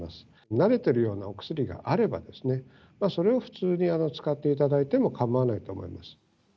慣れてるようなお薬があれば、それを普通に使っていただいても構わないと思います。